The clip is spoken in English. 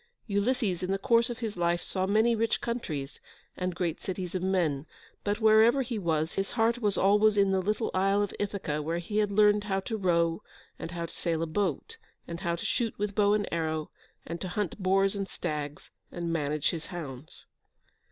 Ulysses in the course of his life saw many rich countries, and great cities of men, but, wherever he was, his heart was always in the little isle of Ithaca, where he had learned how to row, and how to sail a boat, and how to shoot with bow and arrow, and to hunt boars and stags, and manage his hounds.